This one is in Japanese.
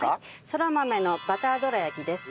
そら豆のバターどら焼きです。